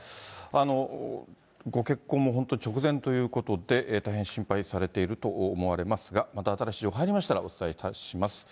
ご結婚も本当、直前ということで、大変心配されていると思われますが、また新しい情報が入りましたら、お伝えいたします。